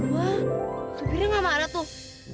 wah supirnya gak marah tuh